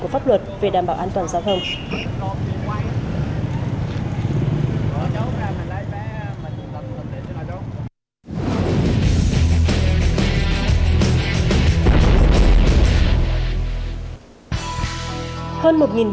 pháp luật về đảm bảo an toàn giao thông